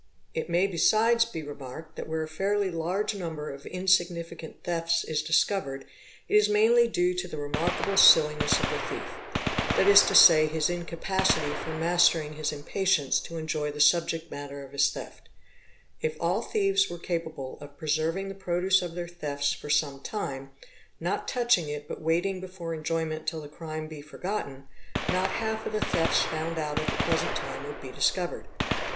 It may besides be remarked that where a fairly large number of insignificant thefts is discovered, it is mainly due to the remarkable ~ silliness of the thief, that is to say, his incapacity for mastering his impatience to enjoy the subject matter of his theft; if all thieves were — capable of preserving the produce of their thefts for some time, not ! touching it but waiting before enjoyment till the crime be forgotten, not : half of the thefts found out at the present time would be discovered.